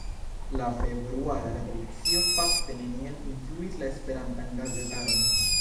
La februara revolucio fakte neniel influis la Esperantan gazetaron.